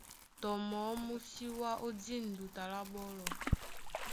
Tɔ mɔɔ́ mú sí wá ó dîn duta lá ɓɔ́lɔ.